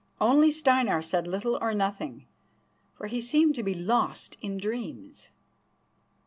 Only Steinar said little or nothing, for he seemed to be lost in dreams.